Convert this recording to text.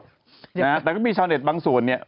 นะฮะแต่ก็มีชาวเน็ตบางส่วนเนี่ย